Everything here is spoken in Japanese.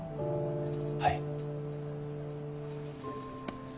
はい。